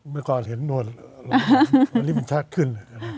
เมื่อก่อนเห็นนวดวันนี้มันชัดขึ้น